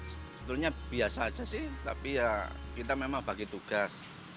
sebetulnya biasa aja sih tapi ya kita memang bagi tugas